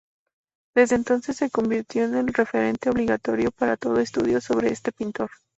Desde entonces se convirtió en el referente obligatorio para todo estudio sobre este pintor.